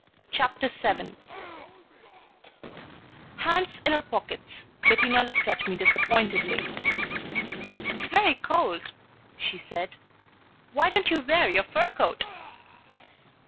CHAPTER VII Hands in her pockets, Bettina looked at me disappointedly. "It's very cold," she said. "Why don't you wear your fur coat?"